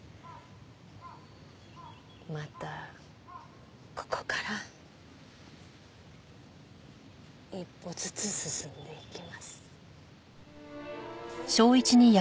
またここから一歩ずつ進んでいきます。